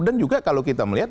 dan juga kalau kita melihat